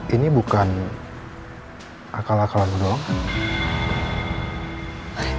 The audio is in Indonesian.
ini bukan akal akal lo doang kan